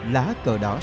lá cờ đỏ sáng sáng